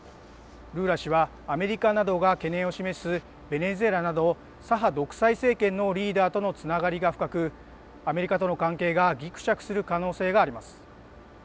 ルーラ氏はアメリカなどが懸念を示す、ベネズエラなど左派独裁政権のリーダーとのつながりが深く、アメリカとの関係がぎくしゃくする可能性があります。